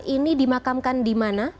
ini dimakamkan di mana